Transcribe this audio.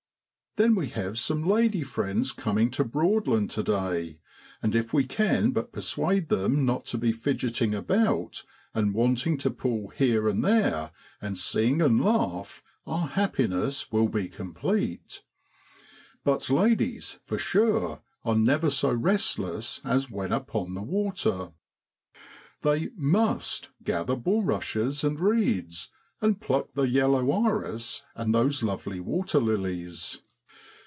Then we have some lady friends coming to Broadland to day, and if we can but persuade them not to be fidgeting about, and wanting to pull here and there, and sing and laugh, our happiness will be complete. But ladies, for sure, are never so restless as when upon the water ! They must gather bulrushes and reeds, and pluck the yellow iris and those lovely waterlilies